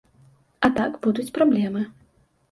А так будуць праблемы.